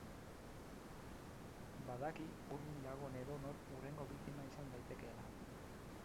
Badaki hurbil dagoen edonor hurrengo biktima izan daitekeela.